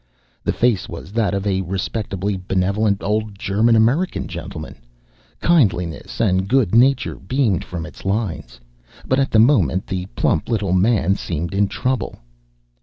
The face was that of a respectably benevolent old German American gentleman. Kindliness and good nature beamed from its lines; but at the moment the plump little man seemed in trouble.